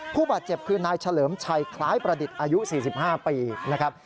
ผู้บาดเจ็บคือนายเฉลิมชัยคล้ายประดิษฐ์อายุ๔๕ปีนะครับ